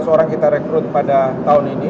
dua ratus orang kita rekrut pada tahun ini